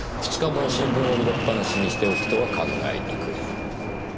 ２日も新聞を入れっぱなしにしておくとは考えにくい。